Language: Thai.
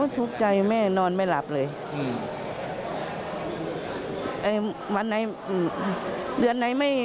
โอ้โฮทุกข์ใจแม่นอนไม่หลับเลย